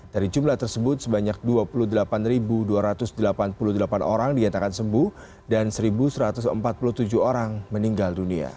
dari jumlah tersebut sebanyak dua puluh delapan dua ratus delapan puluh delapan orang dinyatakan sembuh dan satu satu ratus empat puluh tujuh orang meninggal dunia